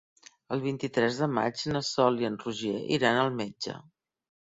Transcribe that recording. El vint-i-tres de maig na Sol i en Roger iran al metge.